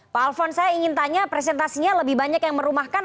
pak alfon saya ingin tanya presentasinya lebih banyak yang merumahkan